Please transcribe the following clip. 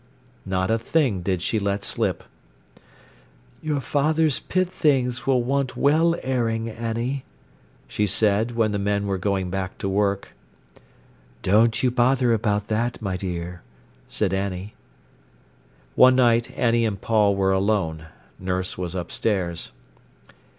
Not a thing did she let slip. "Your father's pit things will want well airing, Annie," she said, when the men were going back to work. "Don't you bother about that, my dear," said Annie. One night Annie and Paul were alone. Nurse was upstairs.